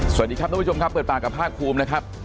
สวัสดีครับทุกผู้ชมครับเปิดปากกับภาคภูมินะครับ